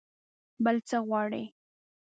بل څه غواړئ؟